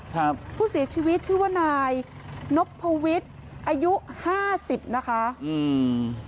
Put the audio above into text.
ครับผู้เสียชีวิตชื่อว่านายนพวิทย์อายุห้าสิบนะคะอืม